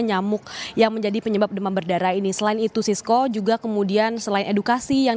nyamuk yang menjadi penyebab demam berdarah ini selain itu sisko juga kemudian selain edukasi yang